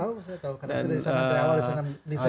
tahu saya tahu karena saya dari sana dari awal dari sana dari saya